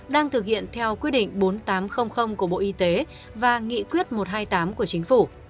đang thực hiện theo quyết định bốn nghìn tám trăm linh của bộ y tế và nghị quyết một trăm hai mươi tám của chính phủ